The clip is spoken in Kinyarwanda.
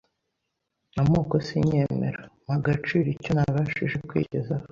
amoko sinyemera mpa agaciro icyo nabashije kwigezaho